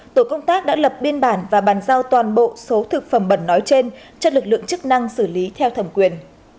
tổ công tác đã lập biên bản và bàn giao toàn bộ số thực phẩm bẩn nói trên cho lực lượng chức năng xử lý theo thẩm quyền